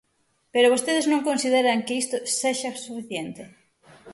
Pero vostedes non consideran que isto sexa suficiente.